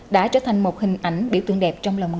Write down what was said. đã trở thành một hình ảnh biểu tượng đẹp